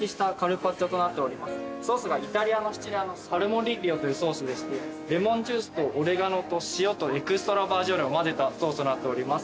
ソースがイタリアのシチリアのサルモリッリオというソースでしてレモンジュースとオレガノと塩とエキストラバージンオイルを混ぜたソースとなっております。